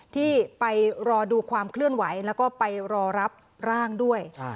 ที่ไปรอดูความเคลื่อนไหวแล้วก็ไปรอรับร่างด้วย